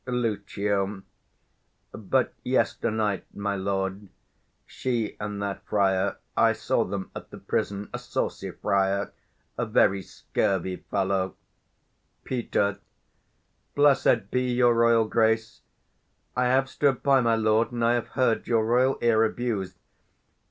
Lucio. But yesternight, my lord, she and that friar, I saw them at the prison: a saucy friar, 135 A very scurvy fellow. Fri. P. Blessed be your royal Grace! I have stood by, my lord, and I have heard Your royal ear abused.